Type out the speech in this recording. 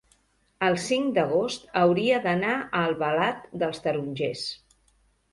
El cinc d'agost hauria d'anar a Albalat dels Tarongers.